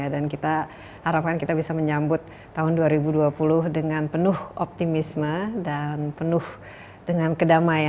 dan kita harapkan kita bisa menyambut tahun dua ribu dua puluh dengan penuh optimisme dan penuh dengan kedamaian